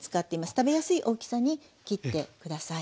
食べやすい大きさに切って下さい。